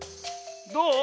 どう？